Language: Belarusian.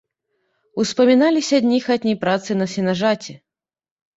Успаміналіся дні хатняй працы на сенажаці.